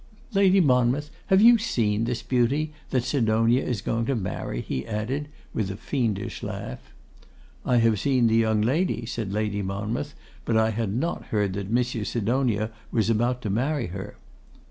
'Lady Monmouth, have you seen this beauty, that Sidonia is going to marry?' he added, with a fiendish laugh. 'I have seen the young lady,' said Lady Monmouth; 'but I had not heard that Monsieur Sidonia was about to marry her.